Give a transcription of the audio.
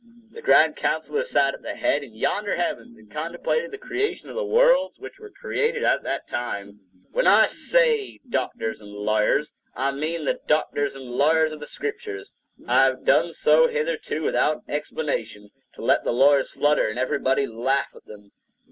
The grand councilors sat at the head in yonder heavens and contemplated the creation of the worlds which were created at the time. When I say doctors and lawyers, I mean the doctors and lawyers of the Scriptures. I have done so hitherto without explanation, to let the lawyers flutter and everybody laugh at them.